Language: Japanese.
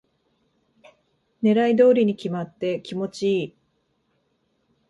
狙い通りに決まって気持ちいい